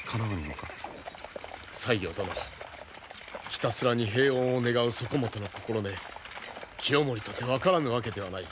ひたすらに平穏を願うそこもとの心根清盛とて分からぬわけではない。